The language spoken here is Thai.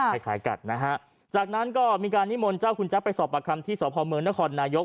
คล้ายกันนะฮะจากนั้นก็มีการนิมนต์เจ้าคุณแจ๊บไปสอบประคำที่สพเมืองนครนายก